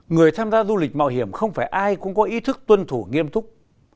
người tham gia du lịch mạo hiểm không phải ai cũng có ý thức tuân thủ nghiêm túc